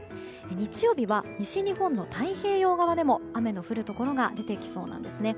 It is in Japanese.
日曜日は西日本の太平洋側でも雨の降るところが出てきそうなんですね。